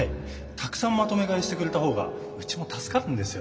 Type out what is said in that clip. たくさんまとめ買いしてくれた方がうちも助かるんですよ。